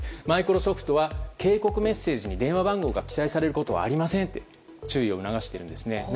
マイクロソフトは警告メッセージに電話番号が記載されることはありませんと注意を促しているんですね。